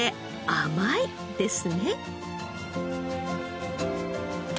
甘いです。